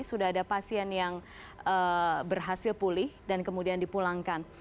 sudah ada pasien yang berhasil pulih dan kemudian dipulangkan